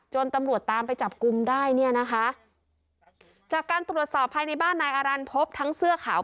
ตำรวจตามไปจับกลุ่มได้เนี่ยนะคะจากการตรวจสอบภายในบ้านนายอารันพบทั้งเสื้อขาว